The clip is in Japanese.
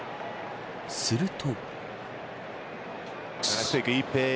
すると。